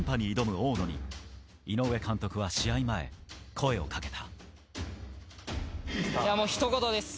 大野に井上監督は試合前、声をかけた。